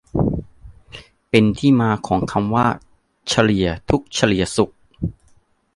เป็นที่มาของคำว่า "เฉลี่ยทุกข์เฉลี่ยสุข"